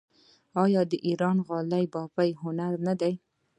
آیا د ایران غالۍ بافي هنر نه دی؟